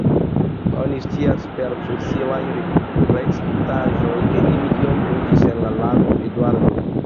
Oni scias per fosiliaj restaĵoj ke ili iam loĝis en la Lago Eduardo.